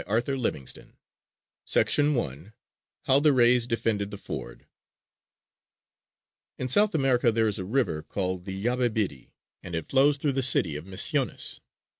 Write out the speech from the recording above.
SOUTH AMERICAN JUNGLE TALES HOW THE RAYS DEFENDED THE FORD In South America there is a river called the Yabebirì; and it flows through the city of Misiones.